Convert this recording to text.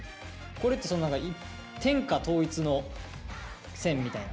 これって何か天下統一の線みたいな。